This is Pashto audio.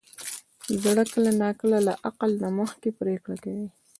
زړه کله ناکله له عقل نه مخکې پرېکړه کوي.